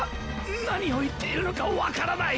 何を言っているのかわからない！